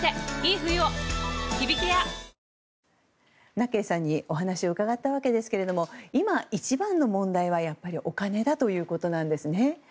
ナッケンさんにお話を伺ったわけですが今、一番の問題はやっぱりお金だということなんですね。